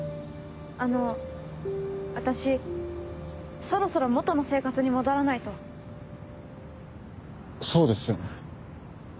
あの私そろそろ元の生活に戻らないと。そうですよね。